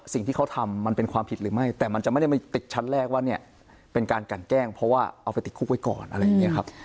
สิ่งที่เขาทำมันเป็นความผิดหรือไม่แต่มันจะไม่ได้มาติดชั้นแรกว่าเนี่ยเป็นการกันแกล้งเพราะว่าเอาไปติดคุกไว้ก่อนอะไรอย่างนี้ครับ